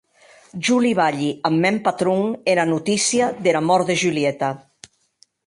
Jo li balhè ath mèn patron era notícia dera mòrt de Julieta.